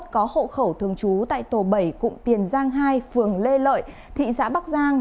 có hộ khẩu thường trú tại tổ bảy cụm tiền giang hai phường lê lợi thị xã bắc giang